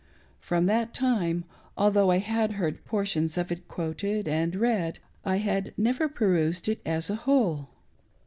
From that tittie, although I had heard portions of it quOtfed and read, I had never perused it as a whole.